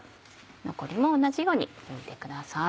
残りも同じように拭いてください。